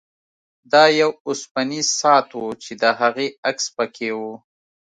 دا یو اوسپنیز ساعت و چې د هغې عکس پکې و